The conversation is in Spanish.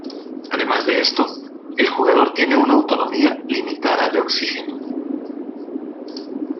Además de esto, el jugador tiene una autonomía limitada de oxígeno.